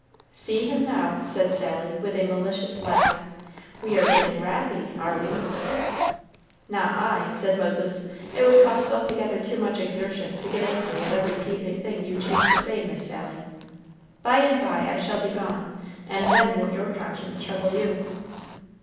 "See him now," said Sally, with a malicious laugh; "we are getting wrathy, are we?" "Not I," said Moses; "it would cost altogether too much exertion to get angry at every teasing thing you choose to say, Miss Sally. By and by I shall be gone, and then won't your conscience trouble you?"